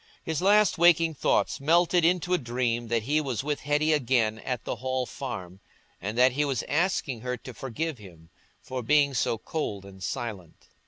His last waking thoughts melted into a dream that he was with Hetty again at the Hall Farm, and that he was asking her to forgive him for being so cold and silent.